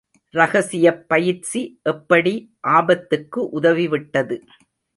ரகசியப் பயிற்சி எப்படி ஆபத்துக்கு உதவிவிட்டது!...